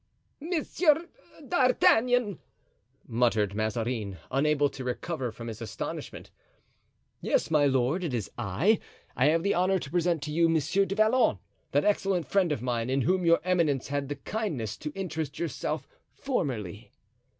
"Monsieur d'Artagnan!" muttered Mazarin, unable to recover from his astonishment. "Yes, my lord, it is I. I have the honor to present to you Monsieur du Vallon, that excellent friend of mine, in whom your eminence had the kindness to interest yourself formerly."